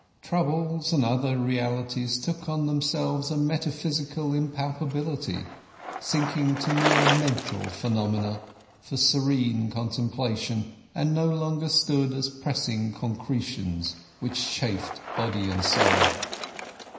Troubles and other realities took on themselves a metaphysical impalpability, sinking to mere mental phenomena for serene contemplation, and no longer stood as pressing concretions which chafed body and soul.